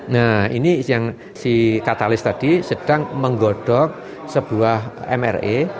nah ini si katalis tadi sedang menggodok sebuah mre